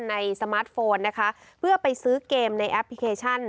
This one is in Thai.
สมาร์ทโฟนนะคะเพื่อไปซื้อเกมในแอปพลิเคชัน